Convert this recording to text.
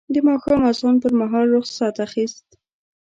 د ماښام اذان پر مهال رخصت اخیست.